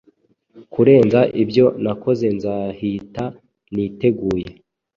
Kurenza ibyo nakozenzahita niteguye